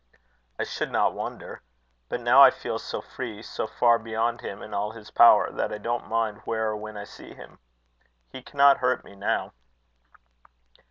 "I should not wonder. But now I feel so free, so far beyond him and all his power, that I don't mind where or when I see him. He cannot hurt me now."